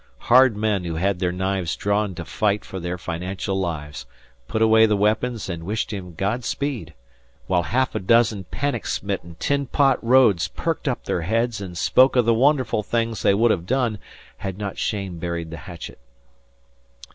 Hard men who had their knives drawn to fight for their financial lives put away the weapons and wished him God speed, while half a dozen panic smitten tin pot toads perked up their heads and spoke of the wonderful things they would have done had not Cheyne buried the hatchet.